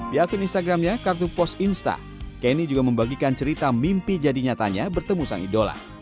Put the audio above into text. di akun instagramnya kartu pos insta kenny juga membagikan cerita mimpi jadi nyatanya bertemu sang idola